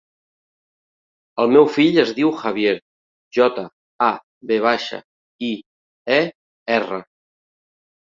El meu fill es diu Javier: jota, a, ve baixa, i, e, erra.